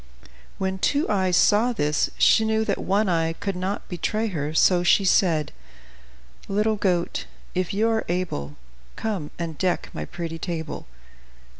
When Two Eyes saw this, she knew that One Eye could not betray her, so she said: "Little goat, if you are able, Come and deck my pretty table."